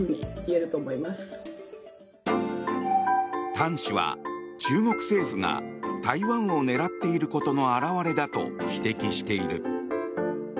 譚氏は、中国政府が台湾を狙っていることの表れだと指摘している。